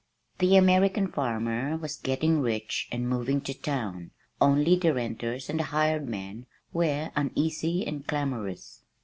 The American farmer was getting rich, and moving to town, only the renters and the hired man were uneasy and clamorous.